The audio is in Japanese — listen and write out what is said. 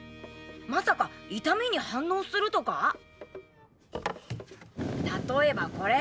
まさか痛みに反応するとか⁉例えばこれ。